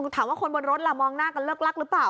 ถามว่าคนบนรถล่ะมองหน้ากันเลิกลักหรือเปล่า